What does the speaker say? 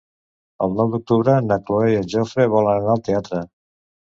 El nou d'octubre na Cloè i en Jofre volen anar al teatre.